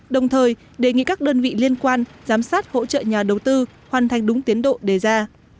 đồng thời đề nghị các đơn vị liên quan giám sát hỗ trợ nhà đầu tư hoàn thành đúng tiến độ đề ra